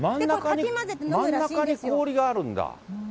真ん中に氷があるんだ？